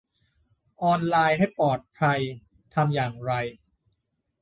ออนไลน์ให้ปลอดภัยทำอย่างไร